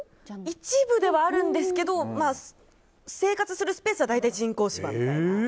一部ではあるんですけど生活するスペースは大体人工芝みたいな。